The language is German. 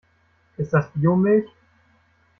Ist das Biomilch?